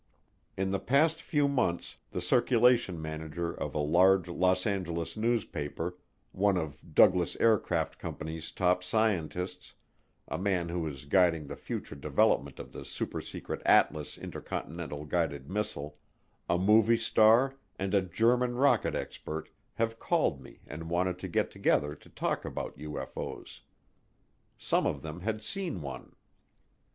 In the past few months the circulation manager of a large Los Angeles newspaper, one of Douglas Aircraft Company's top scientists, a man who is guiding the future development of the supersecret Atlas intercontinental guided missile, a movie star, and a German rocket expert have called me and wanted to get together to talk about UFO's. Some of them had seen one.